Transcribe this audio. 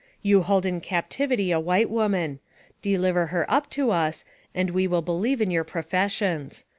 You hold in captivity a white woman ; deliver her up to us, and we will be lieve in your professions.